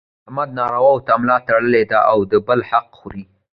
احمد نارواوو ته ملا تړلې ده او د بل حق خوري.